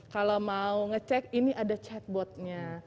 kalau mau ngecek ini ada chatbotnya